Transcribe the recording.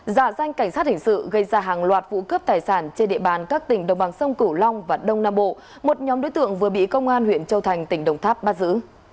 giả danh cảnh sát hình sự gây ra hàng loạt vụ cướp tài sản trên địa bàn các tỉnh đồng bằng sông cửu long và đông nam bộ một nhóm đối tượng vừa bị công an huyện châu thành tỉnh đồng tháp bắt giữ